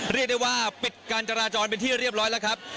เรียกได้ว่าปิดการจราจรเป็นที่เรียบร้อยแล้วครับ